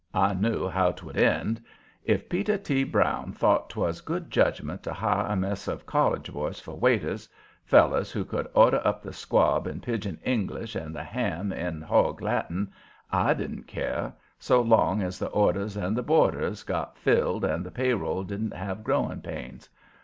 I knew how 'twould end. If Peter T. Brown thought 'twas good judgment to hire a mess of college boys for waiters, fellers who could order up the squab in pigeon English and the ham in hog Latin, I didn't care, so long as the orders and boarders got filled and the payroll didn't have growing pains.